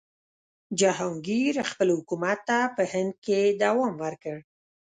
جهانګیر خپل حکومت ته په هند کې دوام ورکړ.